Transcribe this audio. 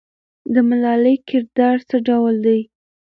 د ملالۍ کردار څه ډول دی؟